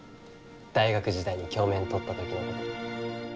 大学時代に教免取った時のこと。